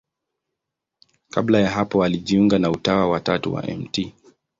Kabla ya hapo alijiunga na Utawa wa Tatu wa Mt.